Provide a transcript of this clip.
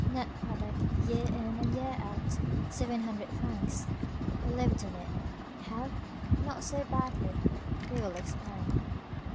net product, year in and year out, seven hundred francs. He lived on it. How? Not so badly. We will explain.